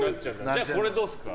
じゃあこれはどうですか。